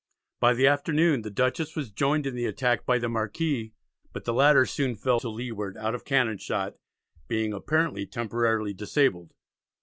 By the afternoon the Dutchess was joined in the attack by the Marquis, but the latter soon fell to leeward out of cannon shot, being apparently temporarily disabled.